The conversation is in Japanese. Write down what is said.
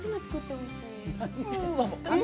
おいしい！